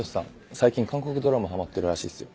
最近韓国ドラマはまってるらしいっすよ。